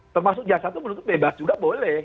termasuk jaksa itu menuntut bebas juga boleh